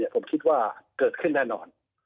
ผมคิดว่าเกิดขึ้นแน่นอน